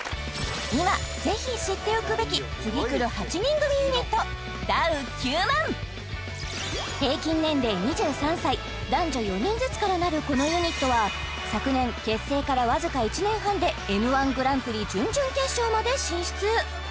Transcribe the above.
今ぜひ知っておくべき平均年齢２３歳男女４人ずつから成るこのユニットは昨年結成からわずか１年半で「Ｍ−１グランプリ」準々決勝まで進出